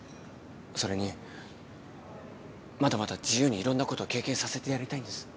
それにまだまだ自由にいろんなことを経験させてやりたいんです。